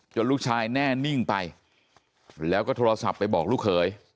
ลูกชายแน่นิ่งไปแล้วก็โทรศัพท์ไปบอกลูกเขย